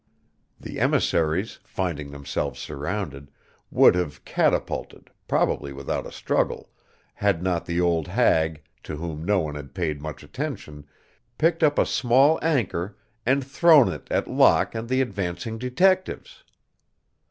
The emissaries, finding themselves surrounded, would have capitulated, probably without a struggle, had not the old hag, to whom no one had paid much attention, picked up a small anchor and thrown it at Locke and the advancing detectives.